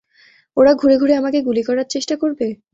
ওরা ঘুরে ঘুরে আমাকে গুলি করার চেষ্টা করবে?